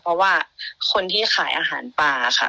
เพราะว่าคนที่ขายอาหารปลาค่ะ